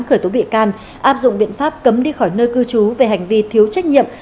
khởi tố bị can áp dụng biện pháp cấm đi khỏi nơi cư trú về hành vi thiếu trách nhiệm